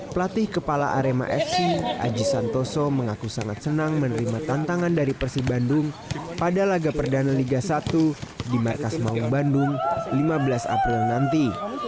pelatih kepala arema fc aji santoso mengaku sangat senang menerima tantangan dari persib bandung pada laga perdana liga satu di markas maung bandung lima belas april nanti